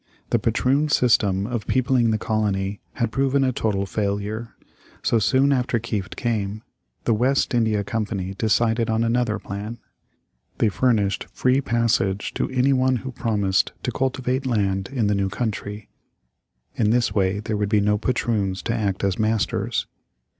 The patroon system of peopling the colony had proven a total failure. So, soon after Kieft came, the West India Company decided on another plan. They furnished free passage to anyone who promised to cultivate land in the new country. In this way there would be no patroons to act as masters.